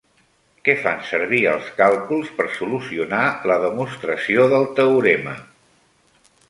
Què fan servir els càlculs per solucionar la demostració del teorema?